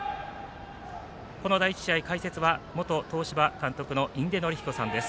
この第１試合、元東芝監督の印出順彦さんです。